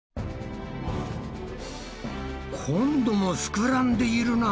今度もふくらんでいるな。